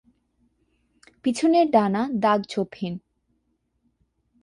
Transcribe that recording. পিছনের ডানা দাগ-ছোপহীন।